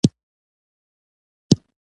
_نه شم ويلای.